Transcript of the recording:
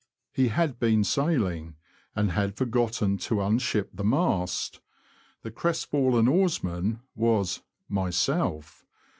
He had been sailing, and had forgotten to unship the mast. The crestfallen oarsman was — myself!